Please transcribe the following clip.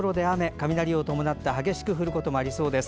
雷を伴って激しく降ることもありそうです。